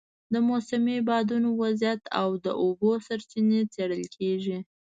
د موسمي بادونو وضعیت او د اوبو سرچینې څېړل کېږي.